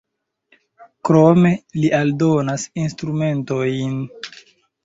Krome li aldonas instrumentojn.